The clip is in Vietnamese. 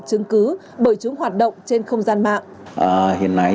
chứng cứ bởi chúng hoạt động trên không gian mạng